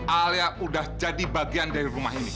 alia udah jadi bagian dari rumah ini